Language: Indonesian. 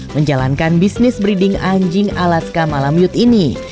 menjalankan bisnis breeding anjing alaska malamute ini